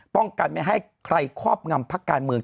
ป้องกันไม่ให้ใครครอบงำพักการเมือง